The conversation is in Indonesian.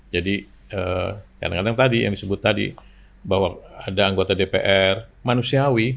jadi kadang kadang tadi yang disebut tadi bahwa ada anggota dpr manusiawi